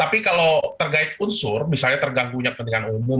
tapi kalau terkait unsur misalnya terganggunya kepentingan umum